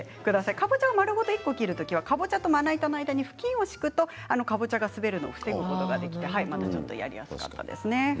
かぼちゃを丸ごと切る時はかぼちゃとまな板の間に布巾を敷くとかぼちゃが滑るのを防ぐことができます。